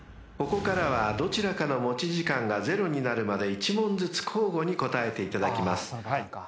［ここからはどちらかの持ち時間がゼロになるまで１問ずつ交互に答えていただきます］